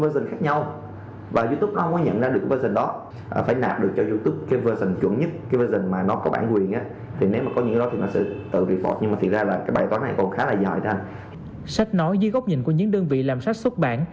sách nói dưới góc nhìn của những đơn vị làm sách xuất bản